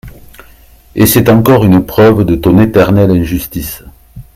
Et c’est encore une preuve de ton éternelle injustice !